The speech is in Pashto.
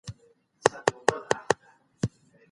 ایا بهرني سوداګر جلغوزي ساتي؟